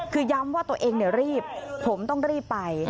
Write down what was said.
คือย้ำว่าตัวเองรีบผมต้องรีบไป